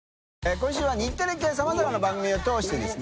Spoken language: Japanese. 今週は日テレ系さまざまな番組を通してですね